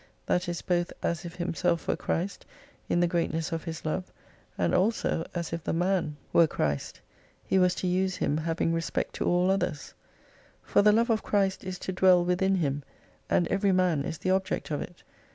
That is both as if himself were Christ in the greatness of his love, and also as if the man were 258 Christ, he was to use him having respect to all others. For the love of Christ is to dwell within him, and every man is the object of it.